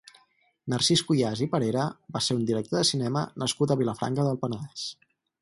Narcís Cuyàs i Parera va ser un director de cinema nascut a Vilafranca del Penedès.